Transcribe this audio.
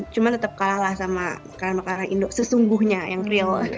cuma tetap kalah lah sama makanan makanan indo sesungguhnya yang real